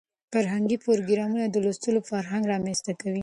فرهنګي پروګرامونه د لوستلو فرهنګ رامنځته کوي.